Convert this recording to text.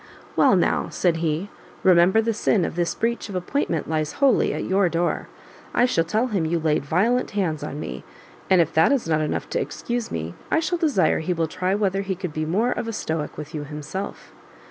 "Well now," said he, "remember the sin of this breach of appointment lies wholly at your door. I shall tell him you laid violent hands on me; and if that is not, enough to excuse me, I shall desire he will try whether he could be more of a stoic with you himself."